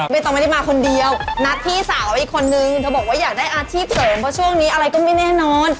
ต้องไม่ได้มาคนเดียวนัดพี่สาวอีกคนนึงเธอบอกว่าอยากได้อาชีพเสริมเพราะช่วงนี้อะไรก็ไม่แน่นอน